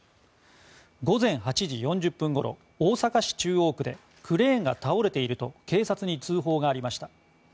午前８時４０分ごろ大阪市中央区でクレーンが倒れていると警察に通報がありました。